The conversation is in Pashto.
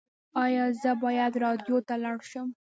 ایا زه باید راډیو ته لاړ شم؟